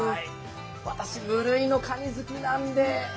私、無類のかに好きなので。